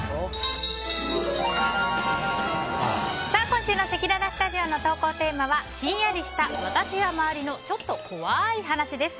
今週のせきららスタジオの投稿テーマはヒンヤリした私や周りのちょっと怖い話です。